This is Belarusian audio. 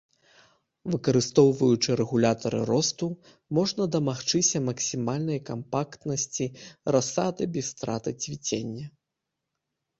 Выкарыстоўваючы рэгулятары росту можна дамагчыся максімальнай кампактнасці расады без страты цвіцення.